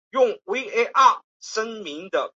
他们的翅膀经常画有很多眼睛。